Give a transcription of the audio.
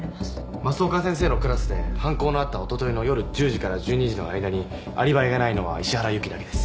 増岡先生のクラスで犯行のあったおとといの夜１０時から１２時の間にアリバイがないのは石原由貴だけです。